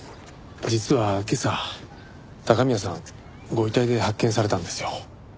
実は今朝高宮さんご遺体で発見されたんですよ。